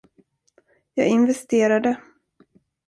Jag investerade.